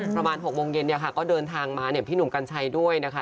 ประมาณ๖โมงเย็นเนี่ยค่ะก็เดินทางมาเนี่ยพี่หนุ่มกัญชัยด้วยนะคะ